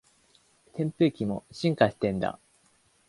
扇風機も進化してんだ